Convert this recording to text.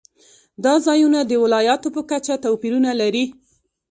دا ځایونه د ولایاتو په کچه توپیرونه لري.